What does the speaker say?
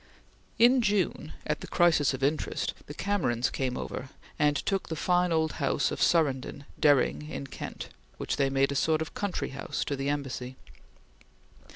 In June, at the crisis of interest, the Camerons came over, and took the fine old house of Surrenden Dering in Kent which they made a sort of country house to the Embassy.